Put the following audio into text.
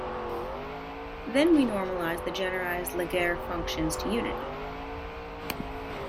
Then we normalize the generalized Laguerre functions to unity.